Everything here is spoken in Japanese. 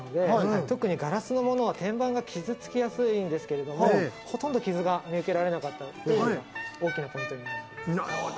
特にガラスのものは天板が傷つきやすいんですけれど、傷が見受けられなかったのがポイントです。